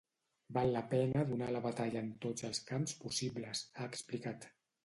Val la pena donar la batalla en tots els camps possibles, ha explicat.